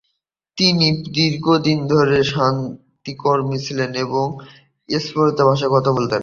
তিনি দীর্ঘদিন ধরে শান্তি কর্মী ছিলেন এবং এসপেরান্তো ভাষায় কথা বলতেন।